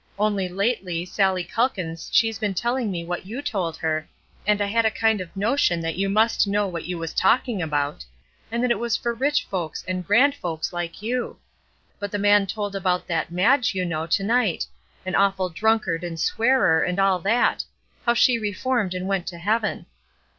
Only lately, Sallie Calkins she's been telling me what you told her; and I had a kind of notion that you must know what you was talking about, and that it was for rich folks and grand folks like you; but the man told about that Madge, you know, to night an awful drunkard and swearer, and all that how she reformed and went to heaven.